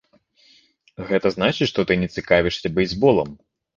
Гэта значыць, што ты не цікавішся бейсболам.